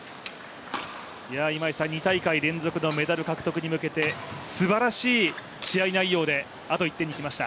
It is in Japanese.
２大会連続のメダル獲得に向けてすばらしい試合内容であと１点にきました。